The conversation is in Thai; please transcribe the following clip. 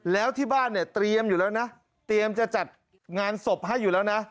แล้วที่บ้านเนี่ยเตรียมอยู่แล้วนะเตรียมจะจัดงานศพให้อยู่แล้วนะ